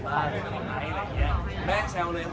ทุกคนแม่แชลเลย